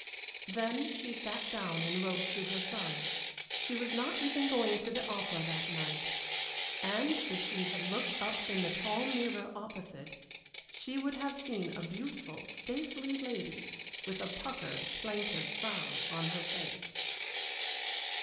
Then she sat down and wrote to her son she was not even going to the opera that night. And if she had looked up in the tall mirror opposite, she would have seen a beautiful, stately lady with a puckered, plaintive frown on her face.